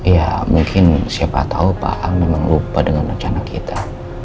ya mungkin siapa tahu pak aang memang lupa dengan rencana kita